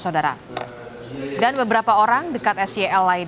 dan beberapa orang dekat sel